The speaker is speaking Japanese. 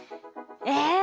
え？